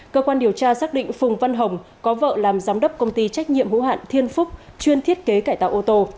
cơ quan điều tra xác định phùng văn hồng có vợ làm giám đốc công ty trách nhiệm hữu hạn thiên phúc chuyên thiết kế cải tạo ô tô